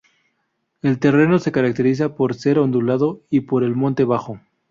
El terreno se caracteriza por ser ondulado y por el monte bajo.